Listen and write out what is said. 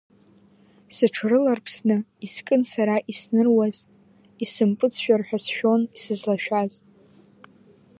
Сыҽрыларԥсны искын сара исныруаз, исымпыҵшәар ҳәа сшәон сызлашәаз.